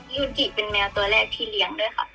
ยูกิเป็นแมวตัวแรกที่เลี้ยงด้วยค่ะ